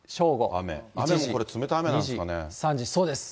雨もこれ、冷たい雨なんですかね。